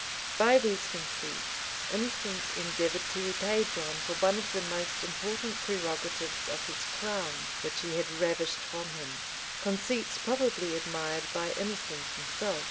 [*] By these conceits, Innocent endeavored to repay John for one of the most important prerogatives of his crown, which he had ravished from him; conceits probably admired by Innocent himself.